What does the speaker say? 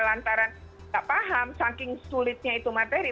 lantaran tidak paham saking sulitnya itu materi